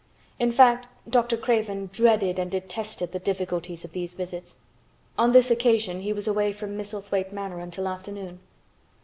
In fact, Dr. Craven dreaded and detested the difficulties of these visits. On this occasion he was away from Misselthwaite Manor until afternoon.